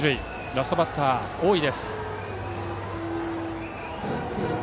ラストバッター、大井。